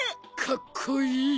かっこいい！